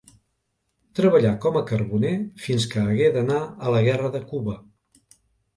Treballà com a carboner fins que hagué d'anar a la Guerra de Cuba.